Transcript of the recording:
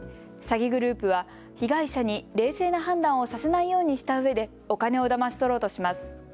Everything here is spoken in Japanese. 詐欺グループは被害者に冷静な判断をさせないようにしたうえでお金をだまし取ろうとします。